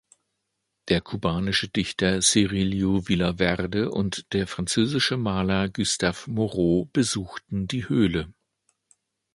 Der kubanische Dichter Cirilo Villaverde und der französische Maler Gustave Moreau besuchten die Höhle.